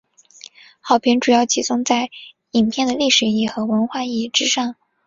好评主要集中在影片的历史意义和文化意义之上。